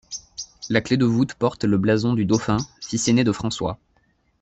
La clé-de-voûte porte le blason du dauphin, fils aîné de François.